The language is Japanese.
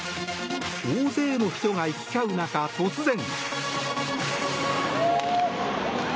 大勢の人が行き交う中、突然。